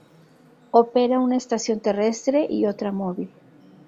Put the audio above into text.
Opera una estación terrestre y otra móvil.